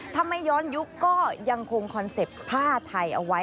ถ้าไม่ย้อนยุคก็ยังคงคอนเซ็ปต์ผ้าไทยเอาไว้